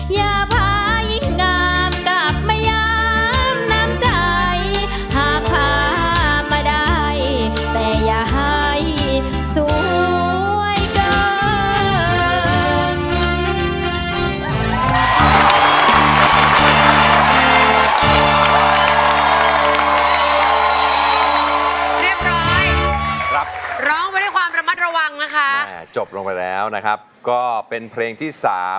อย่าพาอีกงามกลับมาย้ำน้ำใจ